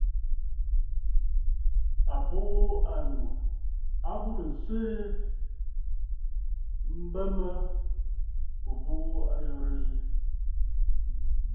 À bùʼû ànnnù a burə nswerə mbə mə bɨ̀ buʼu ayɔ̀rə̂ yi.